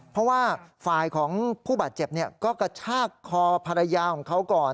เพราะว่าฝ่ายของผู้บาดเจ็บก็กระชากคอภรรยาของเขาก่อน